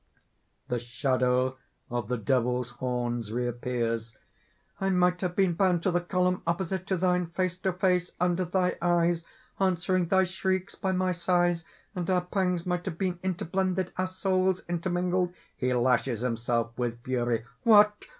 (The shadow of the Devil's horns reappears.) "I might have been bound to the column opposite to thine, face to face under thy eyes answering thy shrieks by my sighs; and our pangs might have been interblended, our souls intermingled." (He lashes himself with fury.) "What!